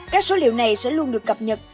các số liệu này sẽ luôn được cập nhật